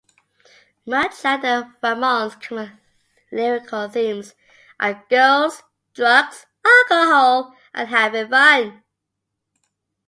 Much like the Ramones, common lyrical themes are girls, drugs, alcohol and having fun.